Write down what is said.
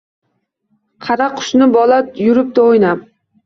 Qara qushni bola yuribdi uynab